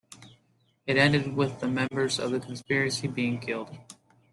It ended with the members of the conspiracy being killed.